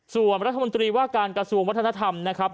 ส่วนรัฐมนตรีว่าการกระทรวงวัฒนธรรมนะครับ